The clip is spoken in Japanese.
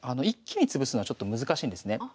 一気に潰すのはちょっと難しいんですね。